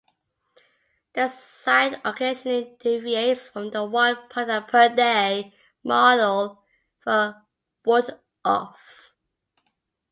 The site occasionally deviates from the one-product-per-day model for a "Woot-Off".